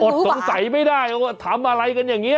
สงสัยไม่ได้ว่าทำอะไรกันอย่างนี้